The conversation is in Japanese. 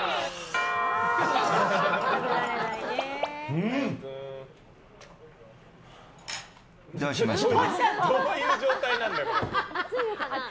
うん！どうしました？